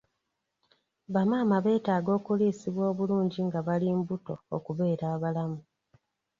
Bamaama beetaaga okuliisibwa obulungi nga bali mbuto okubeera abalamu.